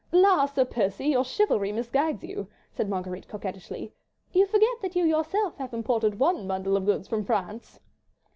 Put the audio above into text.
"La, Sir Percy, your chivalry misguides you," said Marguerite, coquettishly, "you forget that you yourself have imported one bundle of goods from France."